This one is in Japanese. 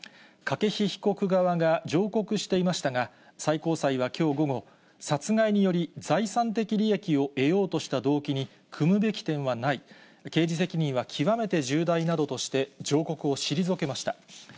筧被告側が上告していましたが、最高裁はきょう午後、殺害により財産的利益を得ようとした動機に酌むべき点はない、刑事責任は極めて重大などとして、上告を退けました。